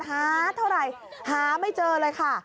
หาเท่าไหร่หาไม่เจอเลยค่ะ